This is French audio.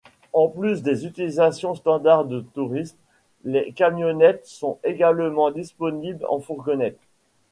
En plus des utilisations standards de tourisme, les camionnettes sont également disponibles en fourgonnettes.